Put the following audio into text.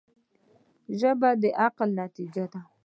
ژبه د عقل نتیجه ده